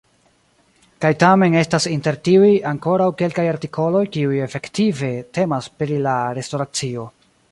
Kaj tamen estas inter tiuj ankoraŭ kelkaj artikoloj kiuj efektive temas pri la restoracio.